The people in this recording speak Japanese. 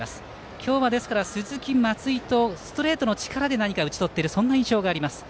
今日は鈴木、松井とストレートの力で打ち取っている印象があります。